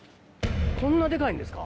こんなデカいんですか。